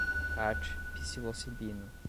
khat, psilocibina